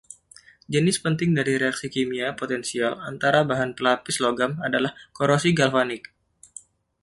Jenis penting dari reaksi kimia potensial antara bahan pelapis logam adalah korosi galvanik.